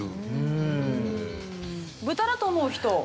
豚だと思う人？